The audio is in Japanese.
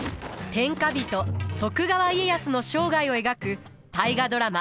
天下人徳川家康の生涯を描く大河ドラマ